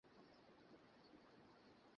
আমি যা বলেছি একটুও মিথ্যা না।